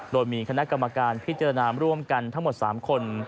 โดยมีคณะกรรมการพิจารณาร่วมกันทั้งหมด๓คน